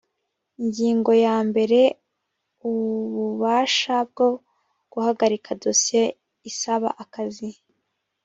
ingingo ya mbere ububasha bwo guhagarika dosiye isaba akazi